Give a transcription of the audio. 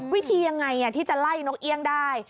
วิธียังไงที่จะไล่นกเอี่ยงได้